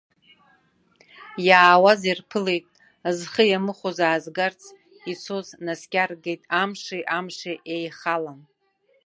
Иаауаз ирԥылеит, зхы иамыхәоз аазгарц ицоз наскьаргеит, амши амши еихалан.